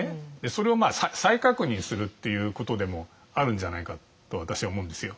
それを再確認するっていうことでもあるんじゃないかと私は思うんですよ。